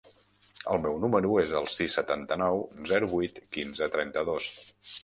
El meu número es el sis, setanta-nou, zero, vuit, quinze, trenta-dos.